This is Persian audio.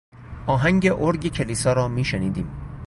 آهنگ ارگ کلیسا را میشنیدیم.